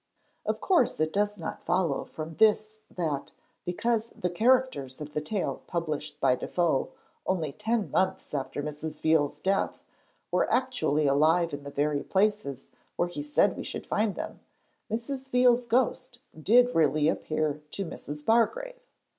Of course it does not follow from this that, because the characters of the tale published by Defoe only ten months after Mrs. Veal's death were actually alive in the very places where he said we should find them, Mrs. Veal's ghost did really appear to Mrs. Bargrave.